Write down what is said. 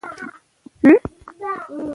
بدل شوي عکس العملونه صحي دي.